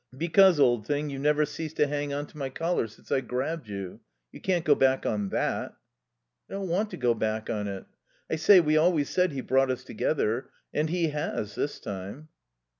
"Because, old thing, you've never ceased to hang on to my collar since I grabbed you. You can't go back on that." "I don't want to go back on it.... I say, we always said he brought us together, and he has, this time."